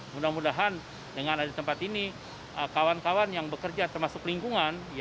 mudah mudahan dengan ada tempat ini kawan kawan yang bekerja termasuk lingkungan